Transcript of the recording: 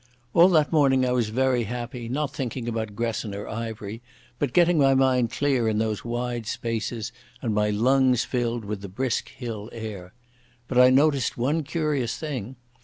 All that morning I was very happy, not thinking about Gresson or Ivery, but getting my mind clear in those wide spaces, and my lungs filled with the brisk hill air. But I noticed one curious thing.